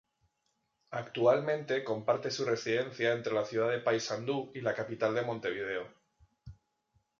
Actualmente comparte su residencia entre la ciudad de Paysandú y la capital de Montevideo.